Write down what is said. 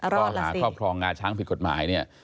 ก็หาครอบครองงาช้างผิดกฎหมาย